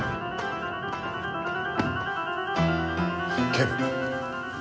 警部。